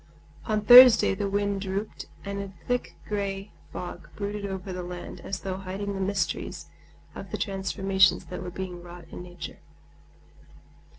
On Thursday the wind dropped, and a thick gray fog brooded over the land as though hiding the mysteries of the transformations that were being wrought in nature.